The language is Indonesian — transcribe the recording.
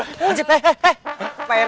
anjir peh peh peh